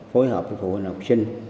phối hợp với phụ huynh học sinh